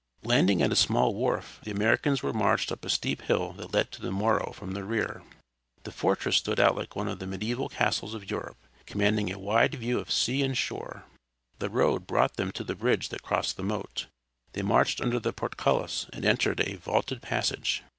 Landing at a small wharf the Americans were marched up a steep hill that led to the Morro from the rear. The fortress stood out like one of the mediæval castles of Europe, commanding a wide view of sea and shore. The road brought them to the bridge that crossed the moat. They marched under the portcullis, and entered a vaulted passage.